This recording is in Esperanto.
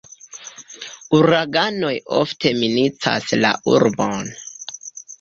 Uraganoj ofte minacas la urbon.